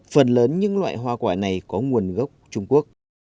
phần lớn những loại hoa quả này có nguồn gốc trung quốc